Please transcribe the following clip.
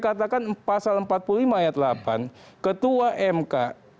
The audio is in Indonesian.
katakan pasal empat puluh lima ayat delapan ketua mk